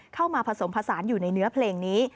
เข้ามาผสมผสานอยู่ในเนื้อเพลงนี้